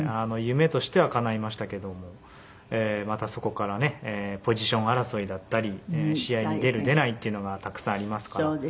夢としてはかないましたけどもまたそこからねポジション争いだったり試合に出る出ないっていうのがたくさんありますから。